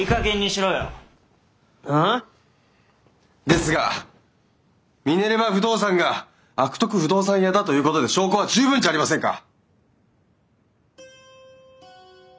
ですがミネルヴァ不動産が悪徳不動産屋だということで証拠は十分じゃありませんか！